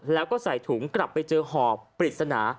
แล้วก็ใส่ถุงกลับไปเจอห่อปริศนา